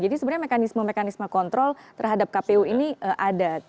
jadi sebenarnya mekanisme mekanisme kontrol terhadap kpu ini ada